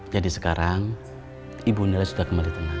jadi sekarang ibu naila sudah kembali tenang